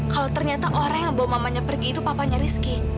kalau ternyata orang yang bawa mamanya pergi itu papanya rizky